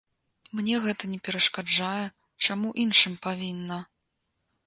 Мне гэта не перашкаджае, чаму іншым павінна?